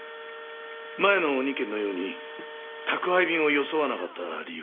前の２件のように宅配便を装わなかった理由は？